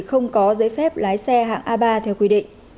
không có giấy phép lái xe hạng a ba theo quy định